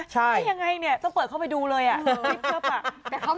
ถ้ายังไงเนี่ยต้องเปิดเข้าไปดูเลยอ่ะ